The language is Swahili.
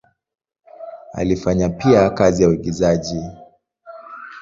Alifanya pia kazi ya uigizaji.